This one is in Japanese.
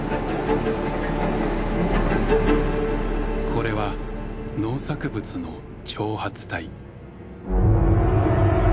これは農作物の「徴発隊」。